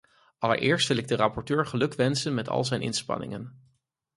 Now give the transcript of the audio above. Allereerst wil ik de rapporteur gelukwensen met al zijn inspanningen.